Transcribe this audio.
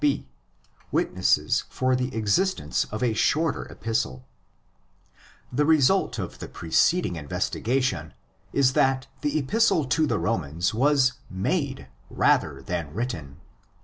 B.—Whitnesses for the Existence of a Shorter Epistle. The result of the preceding investigation is that the Epistle to the Romans was made rather than written.